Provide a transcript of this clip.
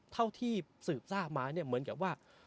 เท่าที่สืบทราบมาเนี่ยเหมือนกับว่า